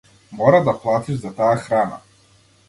Мора да платиш за таа храна.